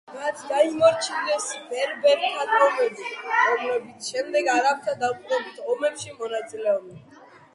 მათ დაიმორჩილეს ბერბერთა ტომები, რომლებიც შემდეგ არაბთა დაპყრობით ომებში მონაწილეობდნენ.